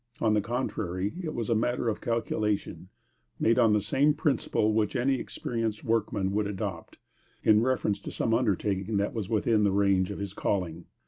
On the contrary, it was a matter of calculation, made on the same principle which any experienced workman would adopt, in reference to some undertaking that was within the range of his calling.